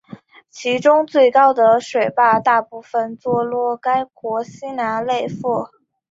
其中最高的水坝大部分坐落该国西南内腹。